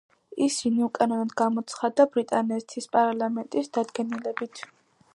ისინი უკანონოდ გამოცხადდა ბრიტანეთის პარლამენტის დადგენილებით.